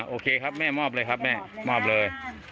โอเคครับแม่มอบเลยครับแม่มอบเลย